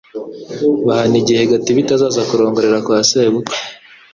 bahana igihe Gatibita azazira kurongorera kwa Sebukwe